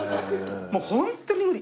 もうホントに無理。